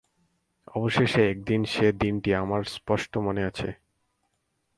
অবশেষে একদিন–সে দিনটা আমার স্পষ্ট মনে আছে।